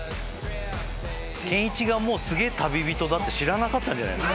圭一がすげえ旅人だって知らなかったんじゃないの？